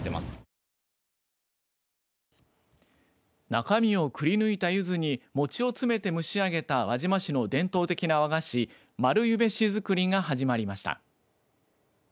中身をくり抜いたゆずに餅を詰めて蒸しあげた輪島市の伝統的な和菓子丸柚餅子作りが始まりました。